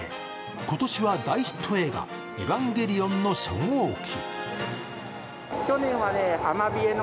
今年は大ヒット映画「エヴァンゲリオン」の初号機。